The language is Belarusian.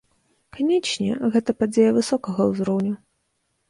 Канечне, гэта падзея высокага ўзроўню.